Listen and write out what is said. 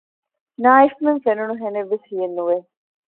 ނާއިފްމެން ފެނުނުހެނެއްވެސް ހިއެއް ނުވެ